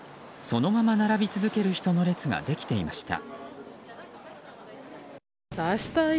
そのまま並び続ける人の列ができていました。